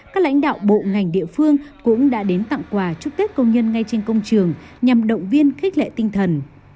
các lãnh đạo bộ ngành địa phương cũng đã đến tặng quà chúc tết công nhân ngay trên công trường nhằm động viên khích lệ tinh thần